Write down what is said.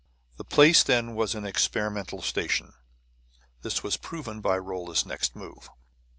The place, then, was an experimental station. This was proven by Rolla's next move.